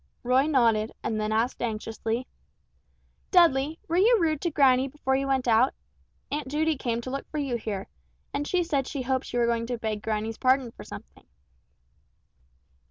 Roy nodded, then asked anxiously: "Dudley, were you rude to granny before you went out? Aunt Judy came to look for you here, and she said she hoped you were going to beg granny's pardon for something."